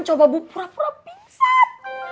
coba bu pura pura pingsan